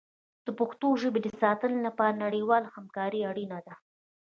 د پښتو ژبې د ساتنې لپاره نړیواله همکاري اړینه ده.